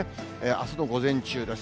あすの午前中です。